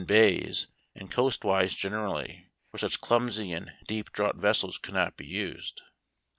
bays, and coastwise generally, where such clumsy and deep draught vessels could not be used.